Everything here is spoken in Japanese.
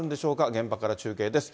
現場から中継です。